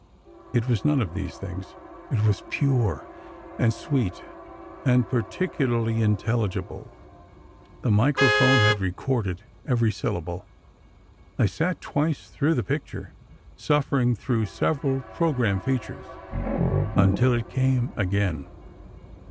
It was none of these things; it was pure and sweet, and particularly intelligible; the microphone had recorded every syllable. I sat twice through the picture, suffering through several program features until it came again.